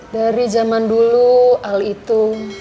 dari zaman dulu al itu